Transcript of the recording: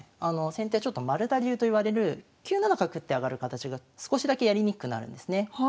先手はちょっと丸田流といわれる９七角って上がる形が少しだけやりにくくなるんですね。